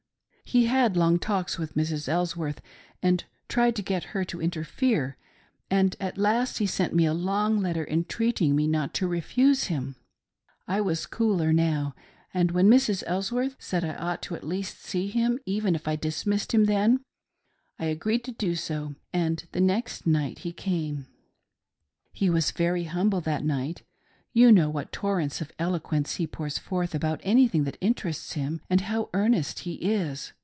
He had long talks with Mrs. Elsworth, and tried to get her to interfere, and at last he sent me a long letter, entreating me not to refuse him. I was cooler now, and when Mrs. Elsworth said I ought at least to see him, even if I dismissedi him then, I agreed to do so, and the next night he came. He was very humble that night. You know what torrents of eloquence he pours forth about anything that interests him, and how earnest he is.